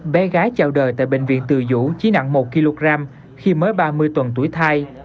bé gái chào đời tại bệnh viện từ dũ chỉ nặng một kg khi mới ba mươi tuần tuổi thai